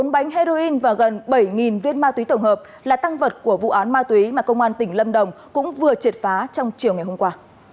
bốn bánh heroin và gần bảy viên ma túy tổng hợp là tăng vật của vụ án ma túy mà công an tỉnh lâm đồng cũng vừa triệt phá trong chiều ngày hôm qua